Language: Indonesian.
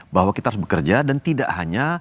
bahwa kita harus bekerja dan tidak hanya